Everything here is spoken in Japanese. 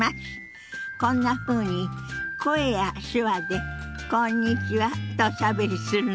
こんなふうに声や手話で「こんにちは」とおしゃべりするの。